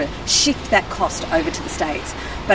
dan sehingga mereka akan mengubah harganya ke negara